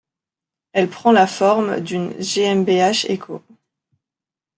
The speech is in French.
Elle prend la forme d'une GmbH & Co.